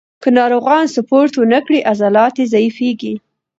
که ناروغان سپورت ونه کړي، عضلات ضعیفېږي.